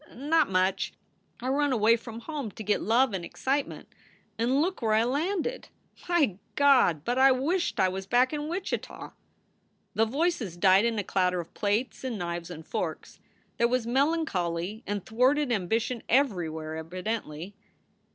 Not much. I run away from home to git love and excitement, and look where I ve landed! My Gawd! but I wisht I was back in Wichita!" The voices died in a clatter of plates and knives and forks. There was melancholy and thwarted ambition everywhere, evidently.